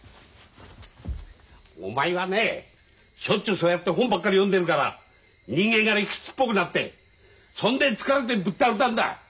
お前はねしょっちゅうそうやって本ばっかり読んでるから人間が理屈っぽくなってそんで疲れてぶっ倒れたんだ。